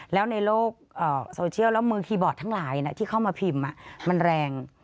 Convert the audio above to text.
แล้วในโลกโซเชียลแล้วมือคีย์บอร์ดทั้งหลายที่เข้ามาพิมพ์มันแรง